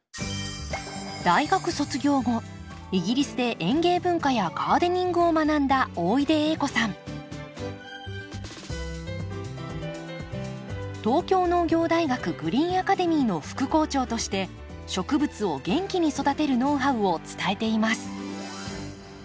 大学卒業後イギリスで園芸文化やガーデニングを学んだ東京農業大学グリーンアカデミーの副校長として植物を元気に育てるノウハウを伝えています。